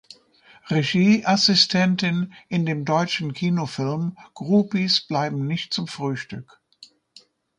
Regieassistentin in dem deutschen Kinofilm Groupies bleiben nicht zum Frühstück.